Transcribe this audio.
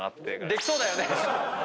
できそうだよね。